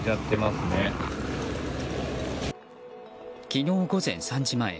昨日午前３時前